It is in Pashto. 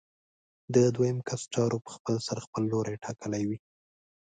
د دویم کس چارو په خپلسر خپل لوری ټاکلی وي.